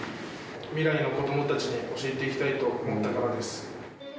未来の子どもたちに教えていきたいと思ったからです。